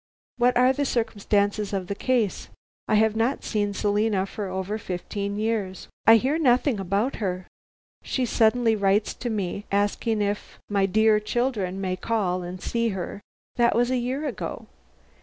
What are the circumstances of the case? I have not seen Selina for over fifteen years. I hear nothing about her. She suddenly writes to me, asking if my dear children may call and see her that was a year ago.